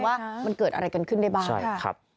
ว่ามันเกิดอะไรกันขึ้นได้บ้าง